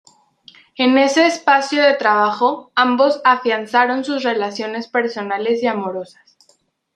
En ese espacio de trabajo, ambos afianzaron sus relaciones personales y amorosas.